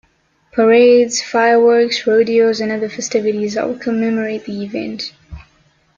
Parades, fireworks, rodeos, and other festivities help commemorate the event.